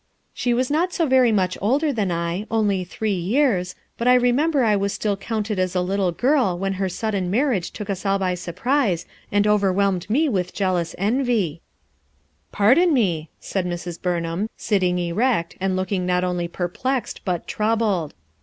She was not so very much older than I, only three years, but I remember I ni still counted as a little girl when her midden marriage took ua all by surprise and overwhelmed me with jealous envy/ 1 11 Pardon me," &aiil Mr*. Burnham, hitting erect and looking not only jierpfrxcil but troubled.